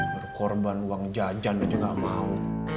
berkorban uang jajan aja gak mau